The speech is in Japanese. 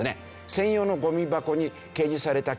専用のゴミ箱に掲示されたＱＲコード